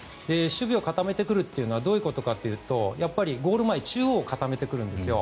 守備を固めてくるというのはどういうことかというとゴール前、中央を固めてくるんですよ。